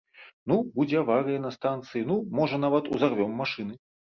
Ну, будзе аварыя на станцыі, ну, можа, нават узарвём машыны.